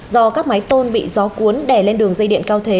do các máy tôn bị gió cuốn đè lên đường dây điện cao thế